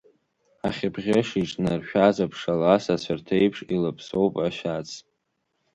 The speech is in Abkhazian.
Ахьыбӷьыш иҿнаршәаз аԥшалас, ацәарҭәеиԥш илаԥсоуп ашьац.